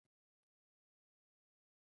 نصرالدین تازه نوم ایستلی وو.